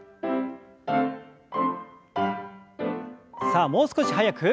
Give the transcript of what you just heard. さあもう少し速く。